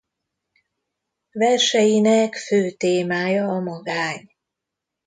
Verseinek fő témája a magány.